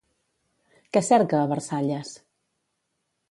Què cerca a Versalles?